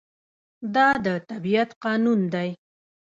دا د طبیعت قانون دی.